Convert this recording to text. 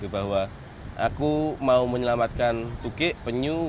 bahwa aku mau menyelamatkan tukik penyu